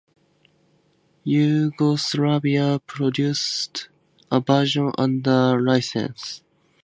Yugoslavia produced a version under license.